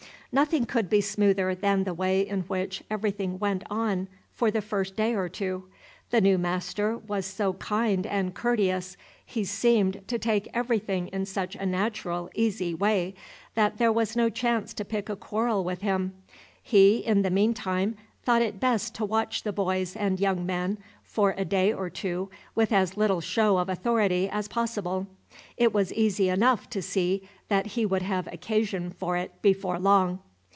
Nothing could be smoother than the way in which everything went on for the first day or two. The new master was so kind and courteous, he seemed to take everything in such a natural, easy way, that there was no chance to pick a quarrel with him. He in the mean time thought it best to watch the boys and young men for a day or two with as little show of authority as possible. It was easy enough to see that he would have occasion for it before long.